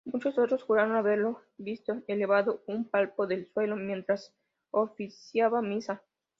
Muchos otros juraron haberlo visto elevado un palmo del suelo mientras oficiaba misa.